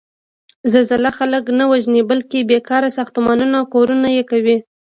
زلزله خلک نه وژني، بلکې بېکاره ساختمانونه کورنه یې کوي.